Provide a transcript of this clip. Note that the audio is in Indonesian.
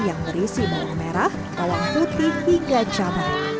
yang berisi bawang merah bawang putih hingga cabai